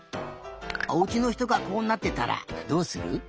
おうちのひとがこうなってたらどうする？